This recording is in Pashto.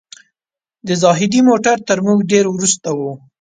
د زاهدي موټر تر موږ ډېر وروسته و.